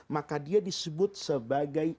maka dia disebut sebagai